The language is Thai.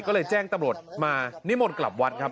ก็เลยแจ้งตำรวจมานิมนต์กลับวัดครับ